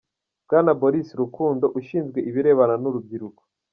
Bwana Boris Rukundo, Ushinzwe ibirebana n’urubyiruko